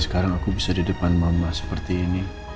sekarang aku bisa di depan mama seperti ini